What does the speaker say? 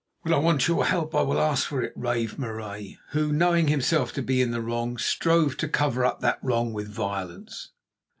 "When I want your help I will ask for it," raved Marais, who, knowing himself to be in the wrong, strove to cover up that wrong with violence.